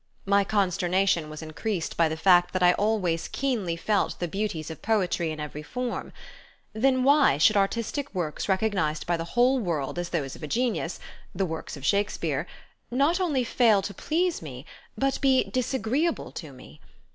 My consternation was increased by the fact that I always keenly felt the beauties of poetry in every form; then why should artistic works recognized by the whole world as those of a genius, the works of Shakespeare, not only fail to please me, but be disagreeable to me?